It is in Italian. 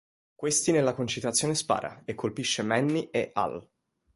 Questi nella concitazione spara e colpisce Manny e Al.